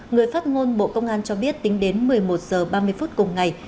người phát ngôn bộ công an cho biết tính đến một mươi một h ba mươi phút cùng ngày